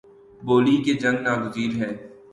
بولی کی جنگ ناگزیر ہے